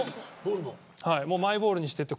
マイボールにしていって。